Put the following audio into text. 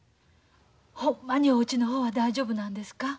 ほんまにおうちの方は大丈夫なんですか？